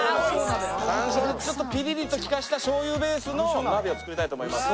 山椒でちょっとピリリと効かせた醤油ベースの鍋を作りたいと思います。